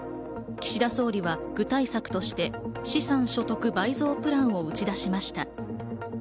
岸田総理は具体策として資産所得倍増プランを打ち出しました。